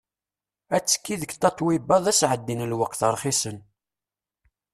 Atekki deg Tatoeba d asεeddi n lweqt rxisen.